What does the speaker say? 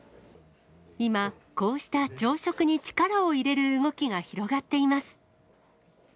今、こうした朝食に力を入れる動きが広がっています。